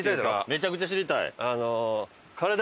めちゃくちゃ知りたい。